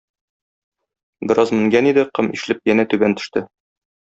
Бераз менгән иде, ком ишелеп янә түбән төште.